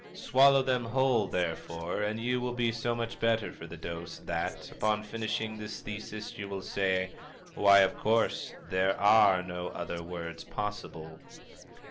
Swallow them whole, therefore, and you will be so much better for the dose that, upon finishing this thesis you will say, "Why, of course there are no other words possible!"